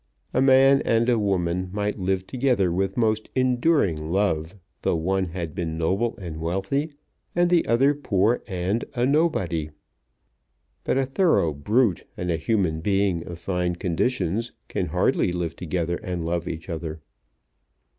A man and woman might live together with most enduring love, though one had been noble and wealthy and the other poor and a nobody. But a thorough brute and a human being of fine conditions can hardly live together and love each other."